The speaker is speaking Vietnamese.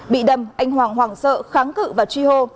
bị đâm anh hoàng hoàng sợ kháng cự và truy hô